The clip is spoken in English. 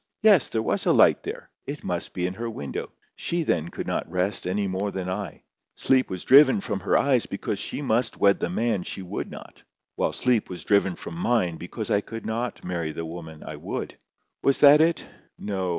Yes, there was a light there! It must be in her window. She then could not rest any more than I. Sleep was driven from her eyes because she must wed the man she would not; while sleep was driven from mine because I could not marry the woman I would. Was that it? No.